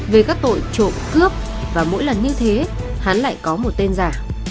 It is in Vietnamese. về các tội trộm cướp và mỗi lần như thế hắn lại có một tên giả